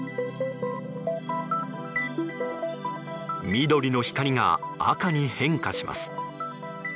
緑の光が赤に変化します。